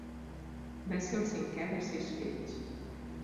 Va ser el cinquè de sis fills.